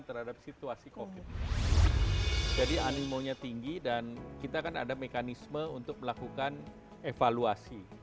terhadap situasi covid jadi animonya tinggi dan kita kan ada mekanisme untuk melakukan evaluasi